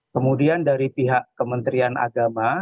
kemudian dari pihak kementerian agama